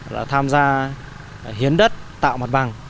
là tham gia hiến đất tạo mặt bằng